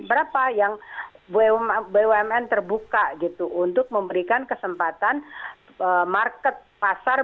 berapa yang bumn terbuka gitu untuk memberikan kesempatan market pasar